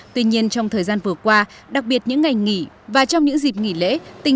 tuy nhiên trong thời gian vừa qua đặc biệt những ngày nghỉ và trong những dịp nghỉ lễ